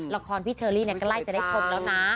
ละครพี่เชอรี่ใกล้จะได้ชมแล้วนะ